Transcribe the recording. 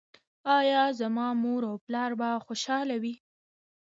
ایا زما مور او پلار به خوشحاله وي؟